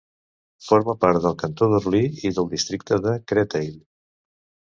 Forma part del cantó d'Orly i del districte de Créteil.